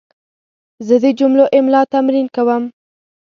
زه د جملو املا تمرین کوم.